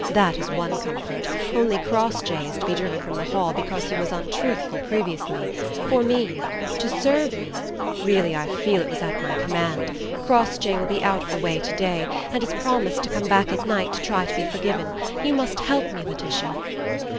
That is one comfort: only Crossjay is to be driven from the Hall, because he was untruthful previously for me; to serve me; really, I feel it was at my command. Crossjay will be out of the way to day, and has promised to come back at night to try to be forgiven. You must help me, Laetitia."